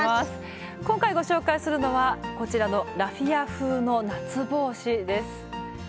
今回ご紹介するのはこちらのラフィア風の夏帽子です。